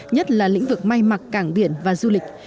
nhất là lĩnh vực may mặc cảng biển và du lịch